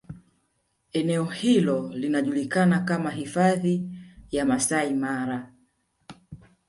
Eneeo hilo linajulikana kama Hifadhi ya Masaimara